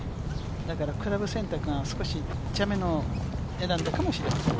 だからクラブ選択が少し、小さめのを選んだかもしれません。